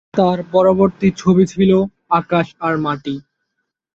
তার পরবর্তী ছবি ছিল "আকাশ আর মাটি"।